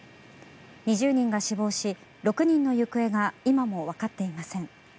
２０人が死亡し、６人の行方が今もわかっていません。